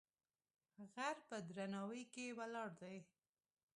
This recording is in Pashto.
غر په درناوی کې ولاړ دی.